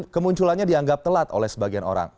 kemunculannya dianggap telat oleh sebagian orang